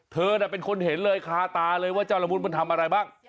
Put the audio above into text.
เธอน่ะเป็นคนเห็นเลยคาตาเลยว่าเจ้าละมุดมันทำอะไรบ้าง